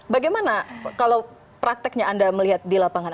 bagaimana kalau prakteknya anda melihat di lapangan